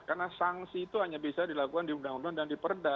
karena sanksi itu hanya bisa dilakukan di undang undang dan diperda